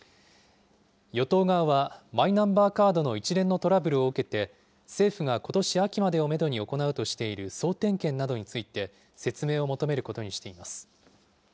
与党側は、マイナンバーカードの一連のトラブルを受けて、政府がことし秋までをメドに行うとしている総点検などについて、説明を求めることにしています。